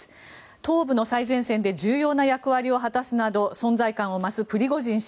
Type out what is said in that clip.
東部の最前線で重要な役割を果たすなど存在感を増すプリゴジン氏。